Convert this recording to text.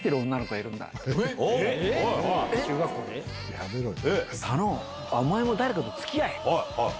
やめろよ。